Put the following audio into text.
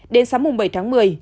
đến sáng bảy một mươi